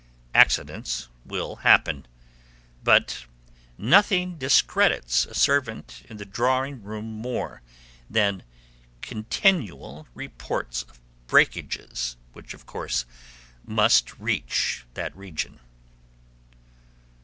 Accidents will happen; but nothing discredits a servant in the drawing room more than continual reports of breakages, which, of course, must reach that region.